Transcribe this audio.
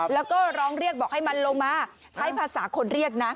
แล้วก็ร้องเรียกบอกให้มันลงมาใช้ภาษาคนเรียกนะ